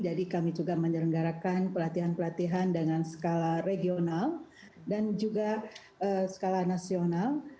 jadi kami juga menyelenggarakan pelatihan pelatihan dengan skala regional dan juga skala nasional